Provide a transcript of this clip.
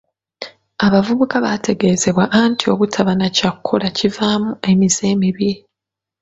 Abavubuka bateegezebwa anti obutaba na ky'okkola kivaamu emize emibi.